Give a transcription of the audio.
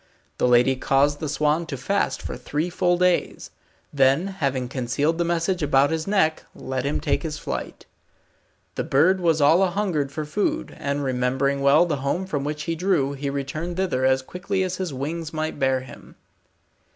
The lady caused the swan to fast for three full days; then having concealed the message about his neck, let him take his flight. The bird was all anhungered for food, and remembering well the home from which he drew, he returned thither as quickly as his wings might bear him.